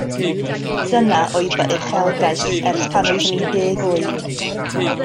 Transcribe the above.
Dyna oedd fy uchelgais ers pan oeddwn i'n ddeg oed.